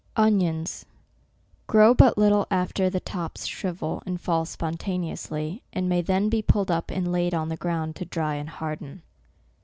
ONIONS grow but little after the tops shrivel, and fall spontaneously, and may then be pulled up and laid on the ground, to dry and harden.